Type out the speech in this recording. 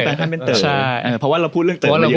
เพราะว่าเราพูดเรื่องเต๋อเยอะแล้ว